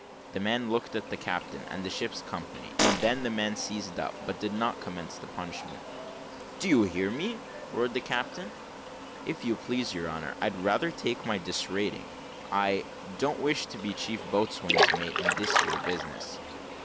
The man looked at the captain, then at the ship's company, and then at the man seized up, but did not commence the punishment. "Do you hear me, sir," roared the captain. "If you please, your honour, I'd rather take my disrating I don't wish to be chief boatswain's mate in this here business."